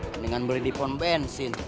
mendingan beli di pom bensin